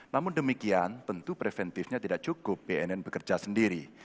namun demikian tentu preventifnya tidak cukup bnn bekerja sendiri